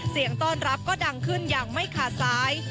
เสียงต้อนรับก็ดังขึ้นอย่างไม่ขาดซ้าย